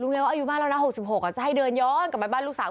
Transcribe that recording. ไงว่าอายุมากแล้วนะ๖๖จะให้เดินย้อนกลับไปบ้านลูกสาว